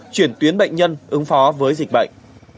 chuyển tuyến bệnh nhân ứng phó với dịch bệnh